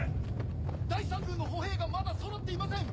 第三軍の歩兵がまだそろっていません！